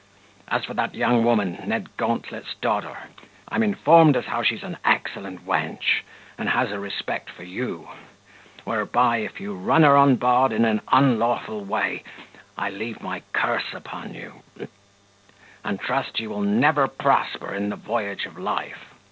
As for that young woman, Ned Gauntlet's daughter, I'm informed as how she's an excellent wench, and has a respect for you; whereby, if you run her on board in an unlawful way, I leave my curse upon you, and trust you will never prosper in the voyage of life.